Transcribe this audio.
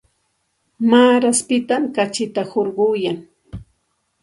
Maaraspitam kachita hurquyan.